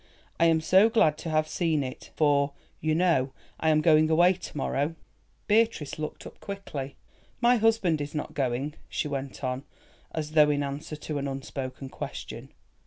"I am so glad to have seen it, for, you know, I am going away to morrow." Beatrice looked up quickly. "My husband is not going," she went on, as though in answer to an unspoken question.